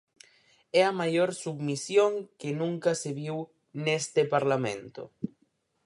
É a maior submisión que nunca se viu neste parlamento.